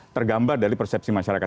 tergambar dari persepsi masyarakat